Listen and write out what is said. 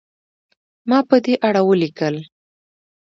ما په دې اړه ولیکل.